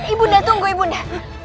ibunda tunggu ibunda